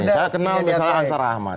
saya kenal misalnya ansar ahmad